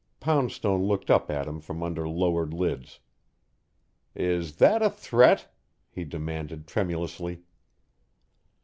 Poundstone looked up at him from under lowered lids. "Is that a threat?" he demanded tremulously.